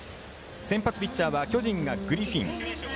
先発ピッチャーは巨人がグリフィン。